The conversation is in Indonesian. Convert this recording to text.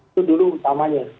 itu dulu utamanya